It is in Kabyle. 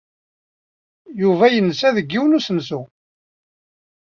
Yuba yensa deg yiwen n usensu.